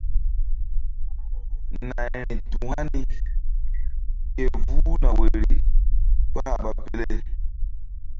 Nayri tu hani ke vuh na woyri kpah ɓa pele.